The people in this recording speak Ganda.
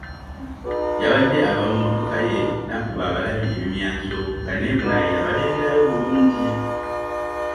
Yabadde ava mu mmotoka ye n’akuba abalabi ebimyanso nga n'e Bunaayira balengerayo bulungi.